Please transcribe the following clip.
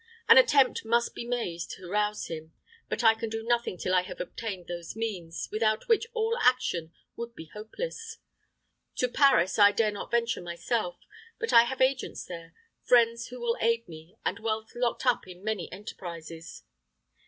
An attempt must be made to rouse him; but I can do nothing till I have obtained those means, without which all action would be hopeless. To Paris I dare not venture myself; but I have agents there, friends who will aid me, and wealth locked up in many enterprises.